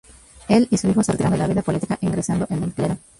Él y su hijo se retiraron de la vida política, ingresando en el clero.